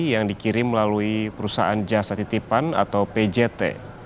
yang dikirim melalui perusahaan jasa titipan atau pjt